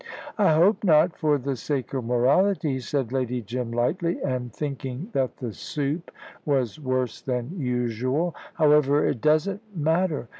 "I hope not, for the sake of morality," said Lady Jim, lightly, and thinking that the soup was worse than usual. "However, it doesn't matter.